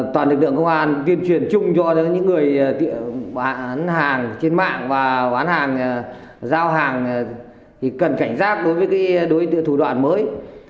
toàn lực lượng công an tuyên truyền chung cho những người bán hàng trên mạng và bán hàng giao hàng thì cần cảnh giác đối với đối thủ đoạn mới